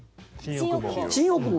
新大久保。